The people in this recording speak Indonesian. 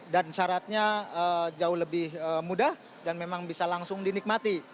dan syaratnya jauh lebih mudah dan memang bisa langsung dinikmati